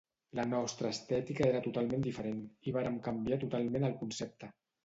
La nostra estètica era totalment diferent i vàrem canviar totalment el concepte.